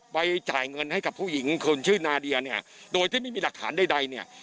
ไปจ่ายเงินให้กับผู้หญิงคนชื่อนาเดียเนี่ยโดยที่ไม่มีหลักฐานใดเนี่ย